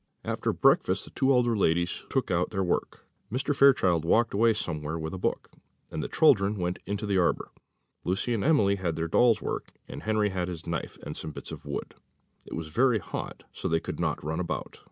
After breakfast the two elder ladies took out their work. Mr. Fairchild walked away somewhere with a book, and the children went into the arbour. Lucy and Emily had their doll's work, and Henry had his knife and some bits of wood; it was very hot, so that they could not run about.